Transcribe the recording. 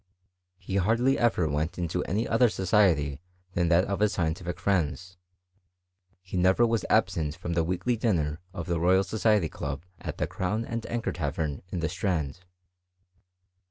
He hardly ever went into any other society than that of his scientific friends : he never was absent from the weekly dinner of the Royal Society club at the Crown and Anchor Tavern in the Strand.